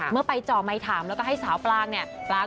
เมื่อไปจ่อไมค์ถามแล้วก็ให้สาวปลางเนี่ย